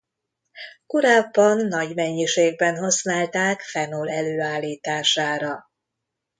Korábban nagy mennyiségben használták fenol előállítására.